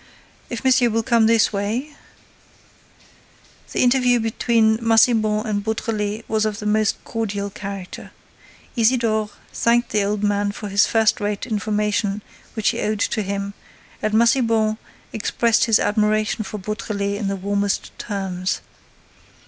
If monsieur will come this way—" The interview between Massiban and Beautrelet was of the most cordial character. Isidore thanked the old man for the first rate information which he owed to him and Massiban expressed his admiration for Beautrelet in the warmest terms.